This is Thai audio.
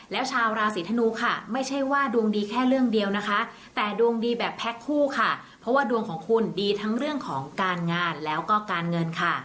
แล้วชาวราศีธนูค่ะไม่ใช่ว่าดวงดีแค่เรื่องเดียวนะคะแต่ดวงดีแบบแพ็คคู่ค่ะเพราะว่าดวงของคุณดีทั้งเรื่องของการงานแล้วก็การเงินค่ะ